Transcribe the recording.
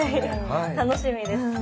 楽しみです。